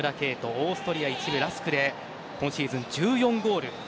オーストリア１部ＬＡＳＫで今シーズン１４ゴール。